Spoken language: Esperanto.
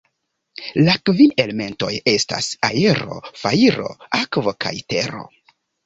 La kvin elementoj estas: Aero, Fajro, Akvo kaj Tero.